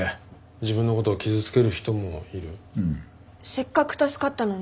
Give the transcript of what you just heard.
せっかく助かったのに？